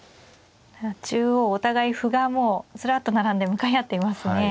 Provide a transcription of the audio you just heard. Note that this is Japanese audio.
中央お互い歩がもうずらっと並んで向かい合っていますね。